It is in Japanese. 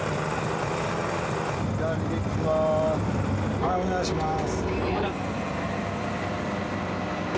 はいお願いします。